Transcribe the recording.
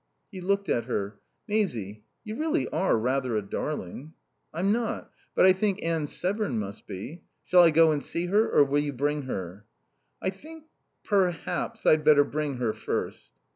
He looked at her. "Maisie, you really are rather a darling." "I'm not. But I think Anne Severn must be.... Shall I go and see her or will you bring her?" "I think perhaps I'd better bring her, first."